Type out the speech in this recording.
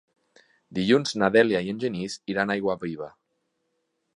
Dilluns na Dèlia i en Genís iran a Aiguaviva.